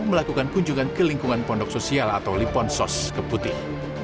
melakukan kunjungan ke lingkungan pondok sosial atau lipon sos ke putih